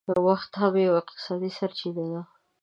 وخت هم یو اقتصادي سرچینه ده